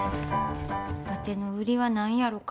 わての売りは何やろか？